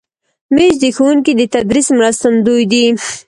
مېز د ښوونکي د تدریس مرستندوی دی.